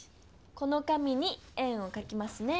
この紙に円をかきますね。